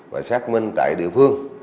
và xác minh tại địa phương